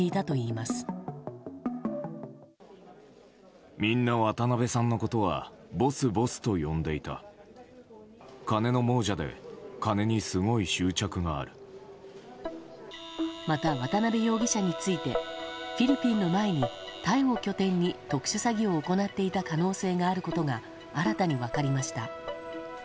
また渡辺容疑者についてフィリピンの前にタイを拠点に特殊詐欺を行っていた可能性があることが新たに分かりました。